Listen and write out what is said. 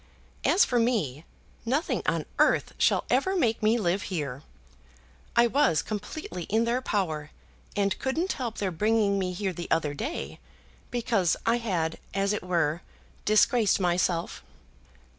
As for me, nothing on earth shall ever make me live here. I was completely in their power and couldn't help their bringing me here the other day; because I had, as it were, disgraced myself."